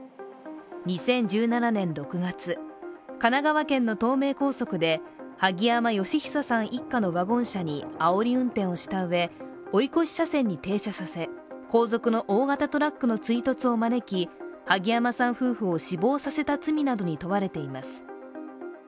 ２０１７年６月、神奈川県の東名高速で萩山嘉久さん一家のワゴン車にあおり運転をしたうえ追い越し車線に停車させ、後続の大型トラックの追突を招き、萩山さん夫婦を死亡させた罪に問われています。